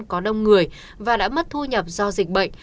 có đông người và đã mất thu nhập do dịch bệnh